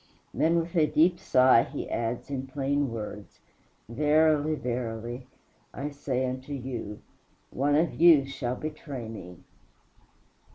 Then with a deep sigh he adds in plain words, "Verily, verily, I say unto you, one of you shall betray me."